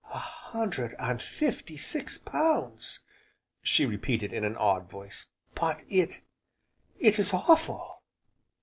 "A hundred and fifty six pounds!" she repeated in an awed voice, "but it it is awful!"